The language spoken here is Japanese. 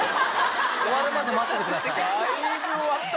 終わるまで待っててください。